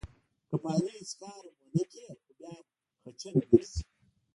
که په علي هېڅ کار هم ونه کړې، خو بیا هم خچن ګرځي.